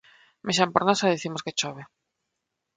Mexan por nós e dicimos que chove.